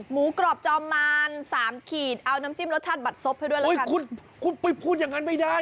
กรอบจอมมารสามขีดเอาน้ำจิ้มรสชาติบัดซบให้ด้วยแล้วอุ้ยคุณคุณไปพูดอย่างนั้นไม่ได้